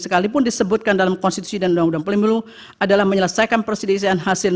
sekalipun disebutkan dalam konstitusi dan undang undang pemilu adalah menyelesaikan perselisihan hasil